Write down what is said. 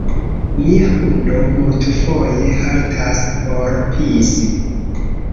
Mia hundo multfoje haltas por pisi